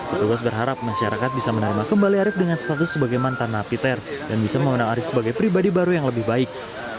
petugas berharap masyarakat bisa menerima kembali arief dengan status sebagai mantan napiter dan bisa memenang arief sebagai pribadi baru yang lebih baik